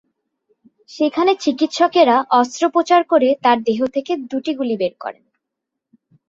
সেখানে চিকিৎসকেরা অস্ত্রোপচার করে তাঁর দেহ থেকে দুটি গুলি বের করেন।